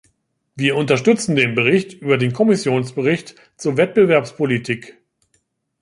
Wir unterstützen den Bericht über den Kommissionsbericht zur Wettbewerbspolitik.